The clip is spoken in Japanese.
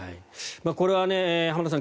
これは浜田さん